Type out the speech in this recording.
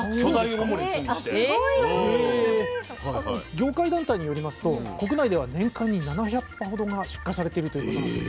業界団体によりますと国内では年間に７００羽ほどが出荷されてるということなんです。